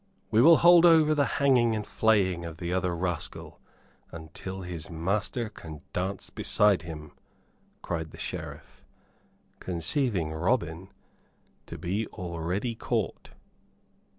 "We will hold over the hanging and flaying of the other rascal until his master can dance beside him," cried the Sheriff, conceiving Robin to be already caught.